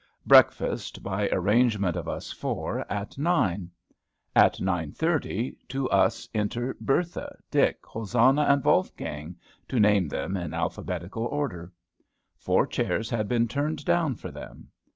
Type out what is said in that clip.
Breakfast, by arrangement of us four, at nine. At 9.30, to us enter Bertha, Dick, Hosanna, and Wolfgang, to name them in alphabetical order. Four chairs had been turned down for them.